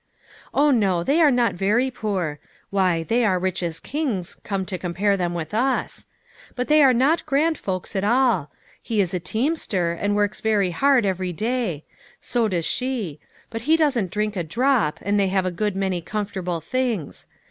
Oh, no ; they are not very poor. Why, they are rich as kings, come to compare them with us ; but they are not grand folks at all; he is a teamster, and 70 LITTLE FISHERS : AND THEIK NETS. works hard every day; so does she; but he doesn't drink a drop, and they have a good many comfortable things.